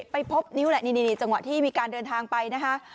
ไปพบนิ้วแหละนี่จังหวะที่มีการเดินทางไปนะคะ